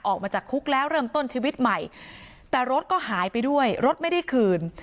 ออกมาจากคุกแล้วเริ่มต้นชีวิตใหม่แต่รถก็หายไปด้วยรถไม่ได้คืน